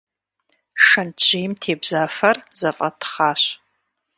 Шэнтжьейм тебза фэр зэфӏэтхъащ.